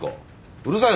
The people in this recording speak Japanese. うるさいな。